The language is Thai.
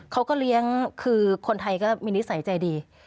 เขาก็เลี้ยงคือคนไทยก็มีนิสัยใจดี